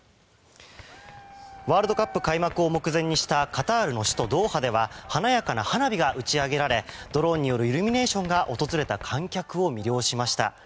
ワールドカップ開幕を目前にしたカタールの首都ドーハでは華やかな花火が打ち上げられドローンによるイルミネーションが訪れた観客を魅了しました。